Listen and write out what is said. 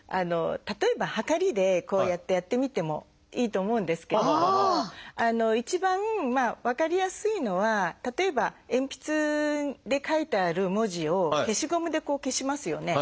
例えばはかりでこうやってやってみてもいいと思うんですけれども一番分かりやすいのは例えば鉛筆で書いてある文字を消しゴムで消しますよね。